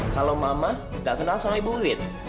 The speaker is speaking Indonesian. kalau mama gak kenal sama ibu wit